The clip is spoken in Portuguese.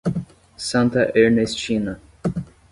Santa Ernestina